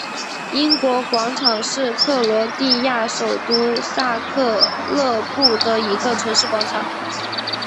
英国广场是克罗地亚首都萨格勒布的一个城市广场。